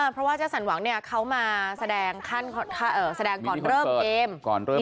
เพราะว่าเจ๊สันหวังเนี่ยเขามาแสดงก่อนเริ่มเกม